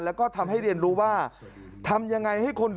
และก็มีการกินยาละลายริ่มเลือดแล้วก็ยาละลายขายมันมาเลยตลอดครับ